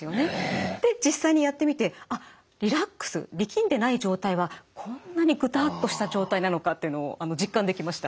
実際にやってみて「あっリラックス力んでない状態はこんなにぐたっとした状態なのか」っていうのを実感できました。